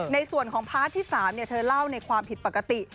ในส่วนของพัดที่๓เนี่ยเธอเล่าในความผิดปกติ